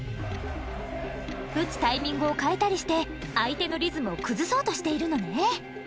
打つタイミングを変えたりして相手のリズムを崩そうとしているのね。